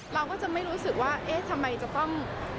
เราก็จะไม่รู้สึกว่าเอ๊ะทำไมจะต้อง